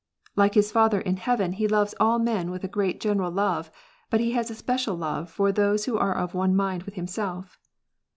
Like his Father in heaven, he loves all men with a4 [great general love, but he has a special love f orj/hem who are ofe lone mind with himself.